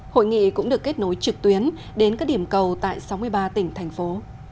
hội nghị cũng được kết nối trực tuyến đến các điểm cầu tại sáu mươi ba tỉnh thành phố